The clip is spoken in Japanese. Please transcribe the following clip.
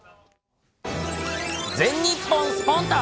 全日本スポンタっ！